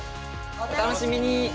お楽しみに！